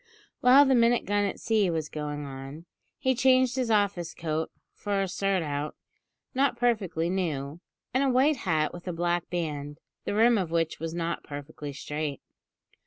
While the "minute gun at sea" was going on, he changed his office coat for a surtout, not perfectly new, and a white hat with a black band, the rim of which was not perfectly straight.